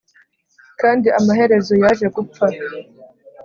kandi amaherezo yaje gupfa